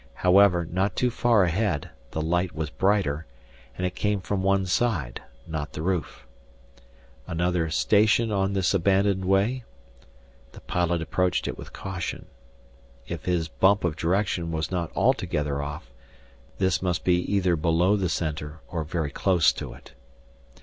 However, not too far ahead, the light was brighter, and it came from one side, not the roof. Another station on this abandoned way? The pilot approached it with caution. If his bump of direction was not altogether off, this must be either below the Center or very close to it.